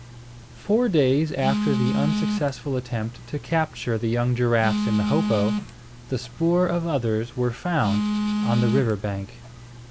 Four days after the unsuccessful attempt to capture the young giraffes in the hopo, the spoor of others were found on the river bank.